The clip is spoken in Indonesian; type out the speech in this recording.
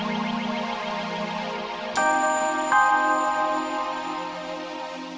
aduh gimana ya bu elis